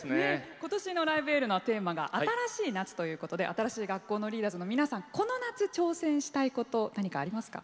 今年の「ライブ・エール」のテーマが「新しい夏」ということで新しい学校のリーダーズの皆さんこの夏、挑戦したいこと何かありますか？